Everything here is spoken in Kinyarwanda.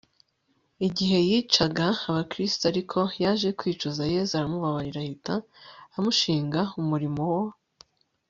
igihe yicaga abakristu ariko yaje kwicuza yezu aramubabarira ahita amushinga umurimo wo